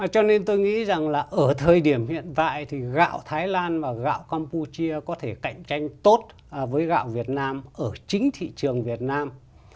cho nên tôi nghĩ rằng là ở thời điểm hiện tại thì gạo thái lan và gạo campuchia có thể cạnh tranh tốt với gạo việt nam ở chính thị trường việt nam